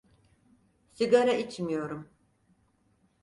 Sigara içmiyorum.